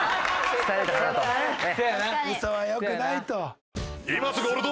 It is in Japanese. ウソはよくないと。